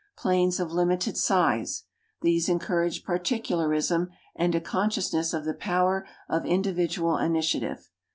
Plains of limited size: these en courage particularism and a consciousness of the .power of individual initiative.